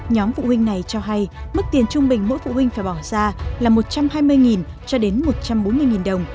nhóm phụ huynh này cho hay mức tiền trung bình mỗi phụ huynh phải bỏ ra là một trăm hai mươi cho đến một trăm bốn mươi đồng